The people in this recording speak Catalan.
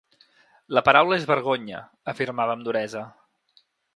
La paraula és vergonya, afirmava amb duresa.